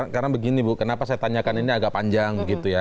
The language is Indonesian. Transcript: karena begini bu kenapa saya tanyakan ini agak panjang gitu ya